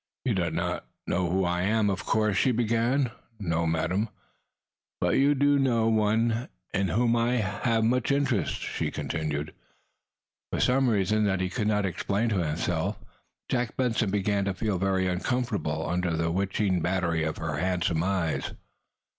"You do not know who I am, of course?" she began. "No, madam." "But you do know one in whom I am much interested," she continued. For some reason that he could not explain to himself, Jack Benson began to feel very uncomfortable under the witching battery of her handsome eyes.